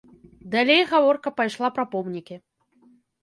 Далей гаворка пайшла пра помнікі.